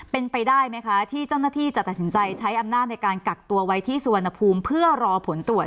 เป็นไปได้ไหมคะที่เจ้าหน้าที่จะตัดสินใจใช้อำนาจในการกักตัวไว้ที่สุวรรณภูมิเพื่อรอผลตรวจ